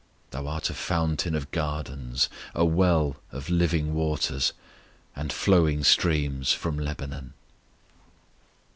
Thou art a fountain of gardens, A well of living waters, And flowing streams from Lebanon.